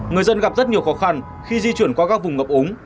người dân gặp rất nhiều khó khăn khi di chuyển qua các vùng ngập úng